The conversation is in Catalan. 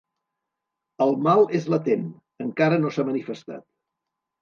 El mal és latent: encara no s'ha manifestat.